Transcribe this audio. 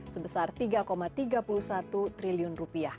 sebesar rp tiga tiga puluh satu triliun